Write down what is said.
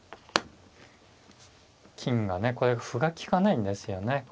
金がねこれ歩が利かないんですよね。